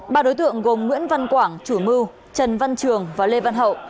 ba đối tượng gồm nguyễn văn quảng chủ mưu trần văn trường và lê văn hậu